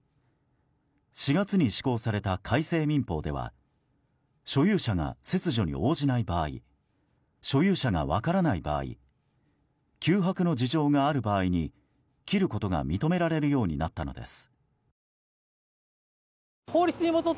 ４月に施行された改正民法では所有者が切除に応じない場合所有者が分からない場合急迫の事情がある場合に切ることが認められるようになったのです。